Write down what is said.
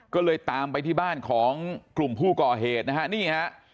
ก็เลยตามไปที่บ้านของกลุ่มผู้ก่อเหตุนะฮะนี่ฮะ